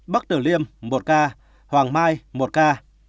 bắc tử liêm một ca hoàng mai một ca